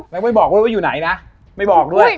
แล้วไม่บอกด้วยว่าอยู่ไหนนะไม่บอกด้วย